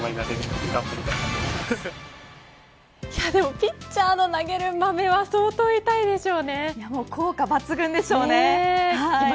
ピッチャーの投げる豆は効果抜群でしょうね。